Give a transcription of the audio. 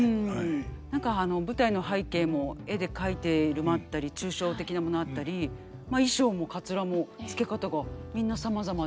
何か舞台の背景も絵で描いているものあったり抽象的なものあったりまあ衣裳もかつらもつけ方がみんなさまざまで。